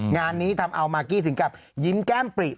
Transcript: งานนี้ทำเอามากกี้ถึงกับยิ้มแก้มปริ